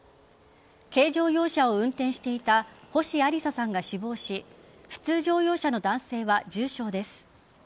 軽乗用車を運転していた星有里紗さんが死亡し普通乗用車の男性は重傷です。